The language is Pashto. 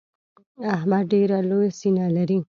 احمد ډېره لو سينه لري.